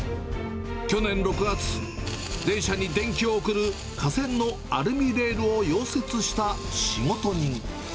去年６月、電車に電気を送る架線のアルミレールを溶接した仕事人。